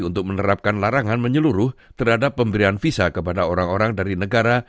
untuk menerapkan larangan menyeluruh terhadap pemberian visa kepada orang orang dari negara